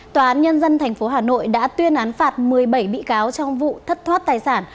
tòa án nhân dân tp hà nội đã tuyên án phạt một mươi bảy bị cáo trong vụ thất thoát tài sản